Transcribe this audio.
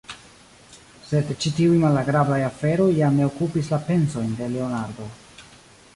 Sed ĉi tiuj malagrablaj aferoj jam ne okupis la pensojn de Leonardo.